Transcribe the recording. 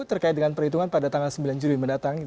terkait dengan perhitungan pada tanggal sembilan juli mendatang